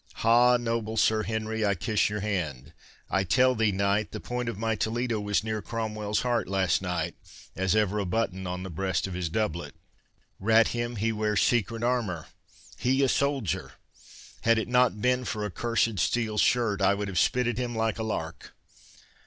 —Ha, noble Sir Henry, I kiss your hand—I tell thee, knight, the point of my Toledo was near Cromwell's heart last night, as ever a button on the breast of his doublet. Rat him, he wears secret armour.—He a soldier! Had it not been for a cursed steel shirt, I would have spitted him like a lark.